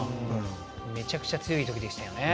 めちゃくちゃ強い時でしたよね。